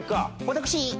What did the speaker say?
私？